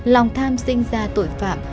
lòng tham sinh ra tội phạm